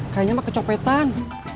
kayaknya mah kecopetan